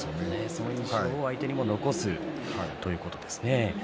そういう印象を相手に残すということですね。